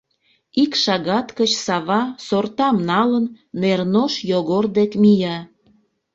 Ик шагат гыч Сава, сортам налын, Нернош Йогор дек мия...